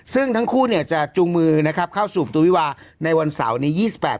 ซึ่งทั้งคู่เนี่ยจะจูงมือนะครับเข้าสู่ตัววิวาในวันเสาร์นี้ยี่สิบแปด